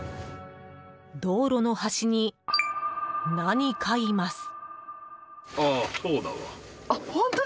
道路の端に何かいます。